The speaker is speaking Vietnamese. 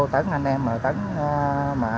tấn anh em mà